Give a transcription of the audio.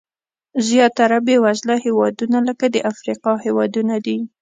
زیاتره بېوزله هېوادونه لکه د افریقا هېوادونه دي.